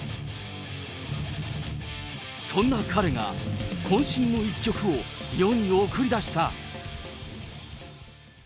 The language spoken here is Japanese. そんな彼が、こん身の一曲を世に送り出した。